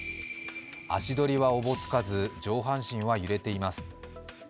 足取りはおぼつかず、上半身は揺れています。